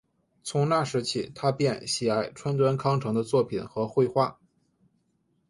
从那时起他便喜爱川端康成的作品和绘画。